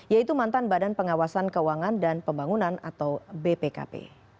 yaitu mantan badan pengawasan keuangan dan pembangunan atau bpkp